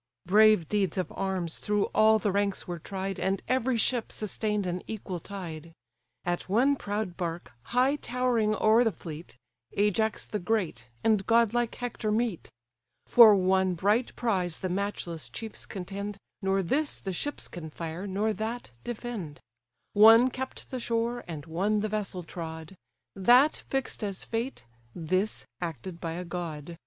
Brave deeds of arms through all the ranks were tried, And every ship sustained an equal tide. At one proud bark, high towering o'er the fleet, Ajax the great, and godlike Hector meet; For one bright prize the matchless chiefs contend, Nor this the ships can fire, nor that defend: One kept the shore, and one the vessel trod; That fix'd as fate, this acted by a god.